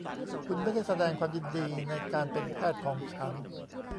คุณไม่ได้แสดงความยินดีในการเป็นแพทย์ของฉัน